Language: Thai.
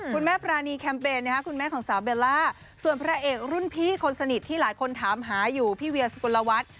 ปรานีแคมเปญคุณแม่ของสาวเบลล่าส่วนพระเอกรุ่นพี่คนสนิทที่หลายคนถามหาอยู่พี่เวียสุกลวัฒน์